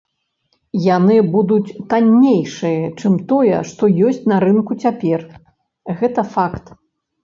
Яны будуць таннейшыя, чым тое, што ёсць на рынку цяпер, гэта факт.